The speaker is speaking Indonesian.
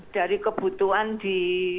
dari kebutuhan di